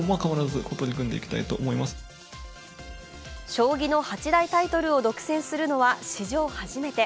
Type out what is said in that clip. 将棋の八大タイトルを独占するのは史上初めて。